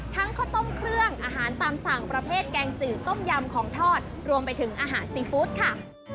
ข้าวต้มเครื่องอาหารตามสั่งประเภทแกงจืดต้มยำของทอดรวมไปถึงอาหารซีฟู้ดค่ะ